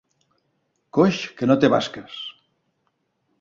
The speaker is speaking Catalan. Coix que no té basques.